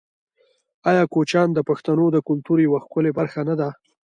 آیا کوچیان د پښتنو د کلتور یوه ښکلې برخه نه ده؟